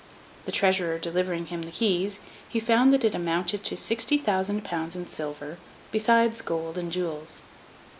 The treasurer delivering him the keys, he found that it amounted to sixty thousand pounds in silver, besides gold and jewels.